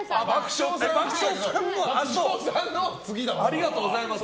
ありがとうございます。